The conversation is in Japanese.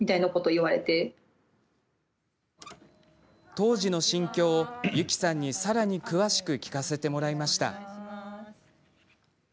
当時の心境をゆきさんに、さらに詳しく聞かせてもらいました。